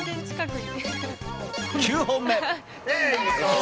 ９本目。